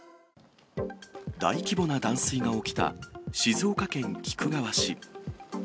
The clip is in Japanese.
大規模な断水が起きた静岡県菊川市。